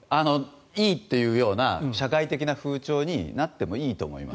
いいという社会的風潮になってもいいと思います。